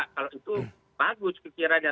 kalau itu bagus kira kira